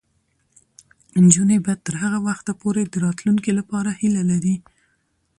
نجونې به تر هغه وخته پورې د راتلونکي لپاره هیله لري.